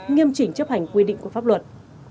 nghiêm chỉnh chấp hành quy định của pháp luật